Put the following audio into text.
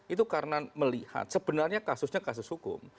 itu karena melihat sebenarnya kasusnya kasus hukum